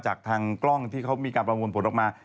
จากทางกล้องที่เขามีการประมวลผลออกมา